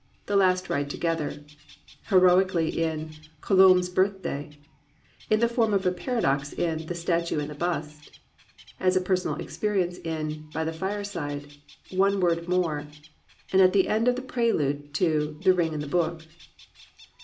The Last Ride Together; heroically in Co lombe's Birthday; in the form of a paradox in The Statue and the Bust; as a personal experience in By the Fireside, One Word More, and at the end of the prelude to The Ring and the Book.